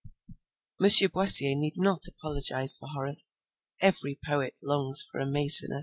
M. Boissier need not apologise for Horace: every poet longs for a Maecenas.